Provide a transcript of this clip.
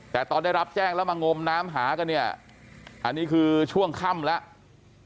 แต่ตอนได้รับแจ้งแล้วมางมน้ำหากันเนี่ยอันนี้คือช่วงค่ำแล้ว